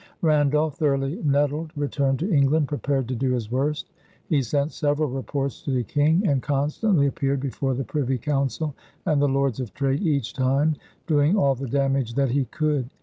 Randolph, thoroughly nettled, returned to England prepared to do his worst. He sent several reports to the King and constantly appeared before the Privy Council and the Lords of Trade, each time doing all the damage that he could.